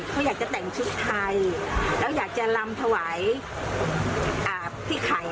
เขาอยากจะแต่งชุดไทยแล้วอยากจะลำถวายพี่ไข่